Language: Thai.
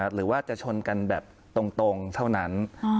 หรือว่าจะชนกันแบบตรงเท่านั้น